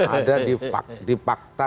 ada di fakta